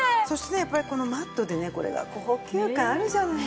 やっぱりこのマットでねこれが高級感あるじゃない。